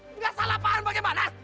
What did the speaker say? tidak salah paham bagaimana